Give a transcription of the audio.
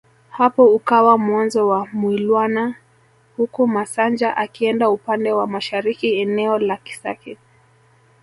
Hapo ukawa mwanzo wa Mwilwana huku Masanja akienda upande wa mashariki eneo la Kisaki